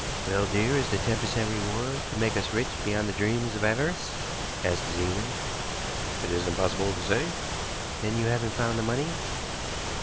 "Well, dear, is the ten per cent. reward to make us rich beyond the dreams of avarice?" asked Zena. "It is impossible to say." "Then you haven't found the money?"